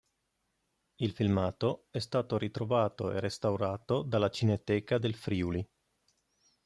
Il filmato è stato ritrovato e restaurato dalla Cineteca del Friuli.